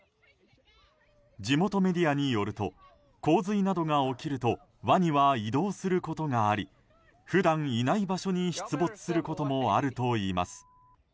地元メディアによると洪水などが起きるとワニは移動することがあり普段いない場所に出没することもあるといいます。